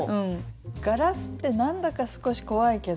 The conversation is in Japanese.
「ガラスってなんだか少し怖いけど」